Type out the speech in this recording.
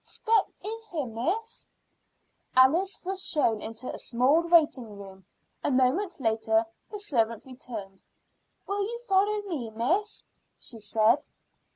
"Step in here, miss." Alice was shown into a small waiting room. A moment later the servant returned. "Will you follow me, miss?" she said.